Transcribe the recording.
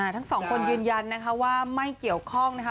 ทั้งสองคนยืนยันนะคะว่าไม่เกี่ยวข้องนะคะ